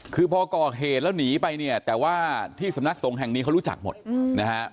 คือพอก่อเหตุแล้วหนีไปเนี่ยแต่ว่าที่สำนักสงฆ์แห่งนี้เขารู้จักหมดนะฮะ